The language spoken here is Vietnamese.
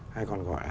hay còn gọi là